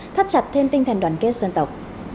thắt chặt thêm tinh thần đoàn kết dân tộc